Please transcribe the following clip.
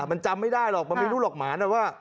มันจำไม่ได้หรอกมันไม่รู้หรอกหมานะว่า